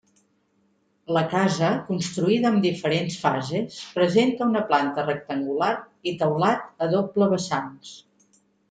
La casa, construïda amb diferents fases, presenta una planta rectangular i teulat a doble vessants.